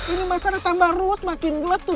ini masalah tambah root makin gelap tuh